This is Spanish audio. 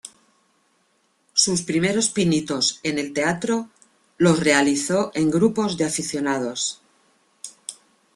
Sus primeros pinitos en el teatro los realizó en grupos de aficionados.